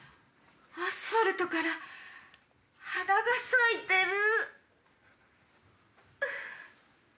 アスファルトから花が咲いてる。